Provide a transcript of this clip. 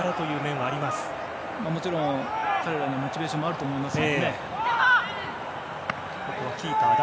もちろん彼らのモチベーションもあると思いますが。